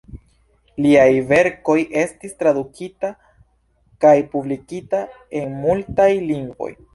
Liaj verkoj estis tradukita kaj publikita en multaj lingvoj.